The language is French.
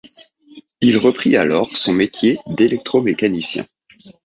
Il reprit alors son métier d'électro-mécanicien.